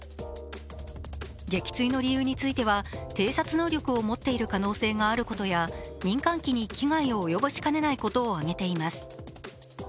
撃墜の理由については、偵察能力を持っている可能性があることや民間機に被害を及ぼしかねないことを挙げています。